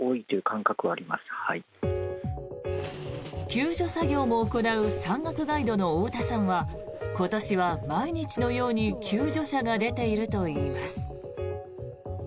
救助作業も行う山岳ガイドの太田さんは今年は毎日のように救助者が出ているといいます。